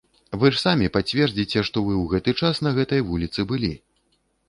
Вы ж самі пацвердзіце, што вы ў гэты час на гэтай вуліцы былі.